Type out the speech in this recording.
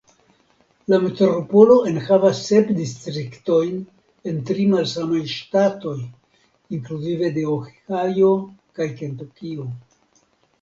La metropolo enhavas sep distriktoj en tri malsamaj ŝtatoj (inkluzive de Ohio kaj Kentukio).